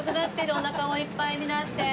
おなかもいっぱいになって。